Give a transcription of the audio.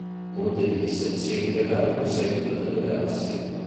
Molte di esse si rivelarono in seguito delle galassie.